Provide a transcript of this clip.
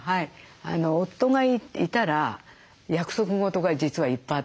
夫がいたら約束事が実はいっぱいあってですね。